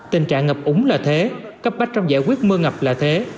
tình trạng ngập úng là thế cấp bách trong giải quyết mưa ngập là thế